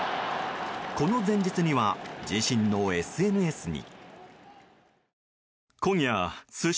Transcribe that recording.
この前日には自身のＳＮＳに。